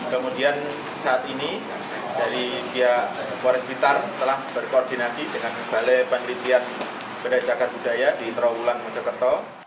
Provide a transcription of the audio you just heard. kemudian saat ini dari pihak mapores blitar telah berkoordinasi dengan balai penelitian pernah cakar budaya di terobulan mojokerto